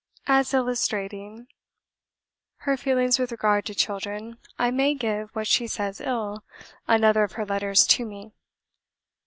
As illustrating her feelings with regard to children, I may give what she says ill another of her letters to me.